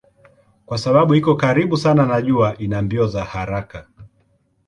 Kwa sababu iko karibu sana na jua ina mbio za haraka.